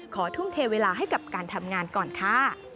ทุ่มเทเวลาให้กับการทำงานก่อนค่ะ